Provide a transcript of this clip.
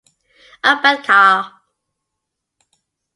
Ambedkar.